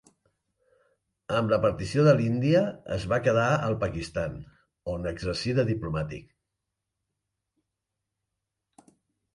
Amb la partició de l'Índia es va quedar al Pakistan, on exercí de diplomàtic.